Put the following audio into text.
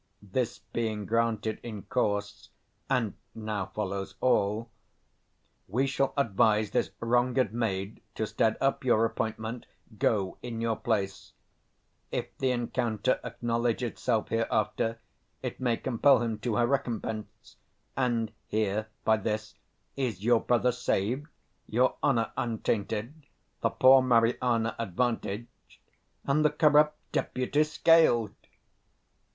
This 235 being granted in course, and now follows all, we shall advise this wronged maid to stead up your appointment, go in your place; if the encounter acknowledge itself hereafter, it may compel him to her recompense: and here, by this, is your brother saved, your honour untainted, the poor 240 Mariana advantaged, and the corrupt Deputy scaled.